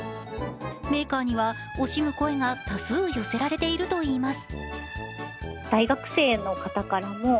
メーカーには、惜しむ声が多数寄せられているといいます。